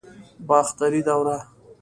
باختري دوره